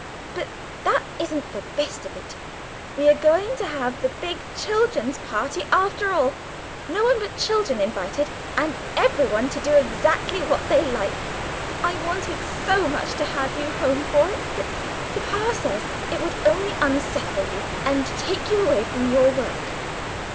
"But that isn't the best of it; we are going to have the big children's party after all! No one but children invited, and everyone to do exactly what they like. I wanted so much to have you home for it, but papa says it would only unsettle you and take you away from your work.